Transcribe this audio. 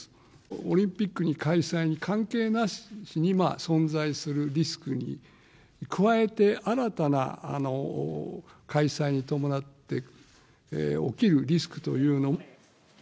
オリンピック開催に関係なしに存在するリスクに加えて新たな開催に伴って起きるリスクというのも。